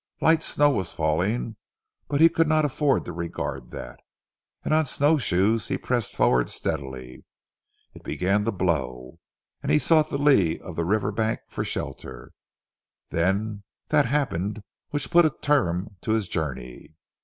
Light snow was falling, but he could not afford to regard that, and on snowshoes he pressed forward steadily. It began to blow, and he sought the lee of the river bank for shelter, then that happened which put a term to his journey.